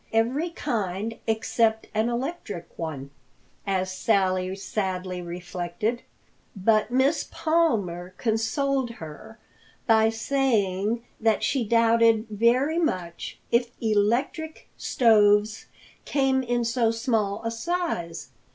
Every kind except an electric one, as Sally sadly reflected. But Miss Palmer consoled her by saying that she doubted very much if electric stoves came in so small a size.